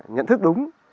nhận thức đúng